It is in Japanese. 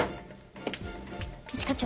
一課長。